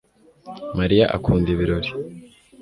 Mariya akunda ibirori